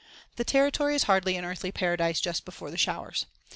The Territory is hardly an earthly paradise just before the showers.